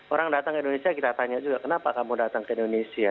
orang datang ke indonesia kita tanya juga kenapa kamu datang ke indonesia